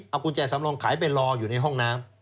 เอากุญแจสำรองขายไปรออยู่ในห้องน้ำ